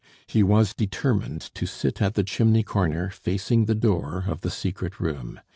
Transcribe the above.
He was determined to sit at the chimney corner facing the door of the secret room.